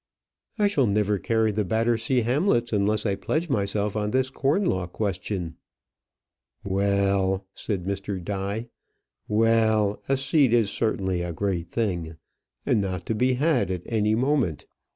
"I shall never carry the Battersea Hamlets unless I pledge myself on this corn law question." "Well," said Mr. Die "well; a seat is certainly a great thing, and not to be had at any moment.